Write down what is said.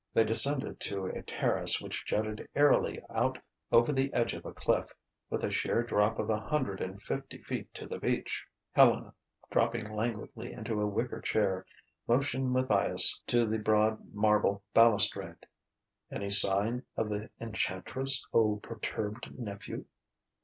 They descended to a terrace which jutted airily out over the edge of a cliff, with a sheer drop of a hundred and fifty feet to the beach. Helena, dropping languidly into a wicker chair, motioned Matthias to the broad marble balustrade. "Any sign of the Enchantress, O perturbed nephew?"